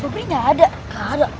sobri gak ada